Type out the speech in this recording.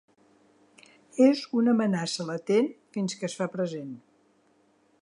És una amenaça latent fins que es fa present.